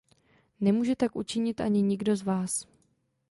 Nemůže tak učinit ani nikdo z vás.